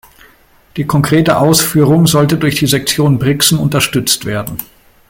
Die konkrete Ausführung sollte durch die Sektion Brixen unterstützt werden.